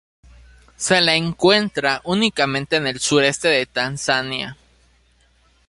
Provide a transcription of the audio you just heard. Se la encuentra únicamente en el sureste de Tanzania.